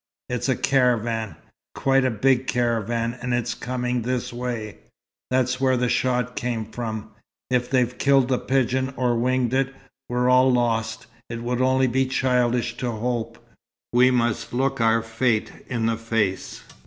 It's a caravan quite a big caravan, and it's coming this way. That's where the shot came from. If they killed the pigeon, or winged it, we're all lost. It would only be childish to hope. We must look our fate in the face.